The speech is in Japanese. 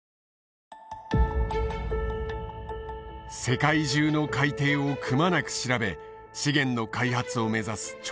世界中の海底をくまなく調べ資源の開発を目指す調査船。